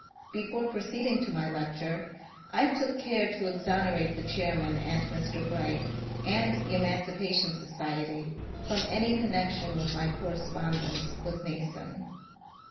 Before proceed ing to my lecture, I took care to exonerate the chairman and Mr. Bright and the Emancipation Society from any connec tion with my correspondence with Mason.